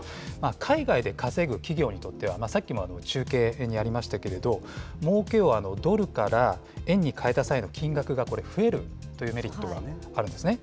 海外で稼ぐ企業にとっては、さっきも中継にありましたけれども、もうけをドルから円に換えた際の金額が増えるというメリットがあるんですね。